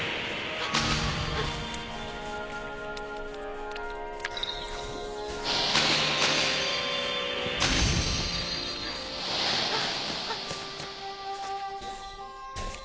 あっああっ！